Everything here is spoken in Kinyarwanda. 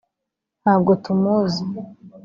ntabwo tumuzi